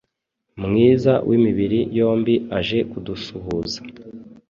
mwiza w’imibiri yombi aje kudusuhuza